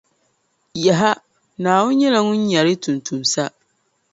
Yaha! Naawuni nyɛla Ŋun nyari yi tuuntumsa.